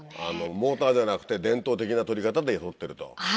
モーターじゃなくて伝統的な採り方で採ってると。